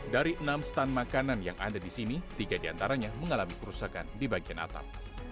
dari enam stand makanan yang ada di sini tiga diantaranya mengalami kerusakan di bagian atap